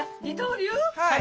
はい。